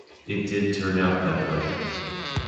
It did turn out that way.